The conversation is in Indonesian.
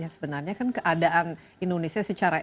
sebenarnya keadaan indonesia secara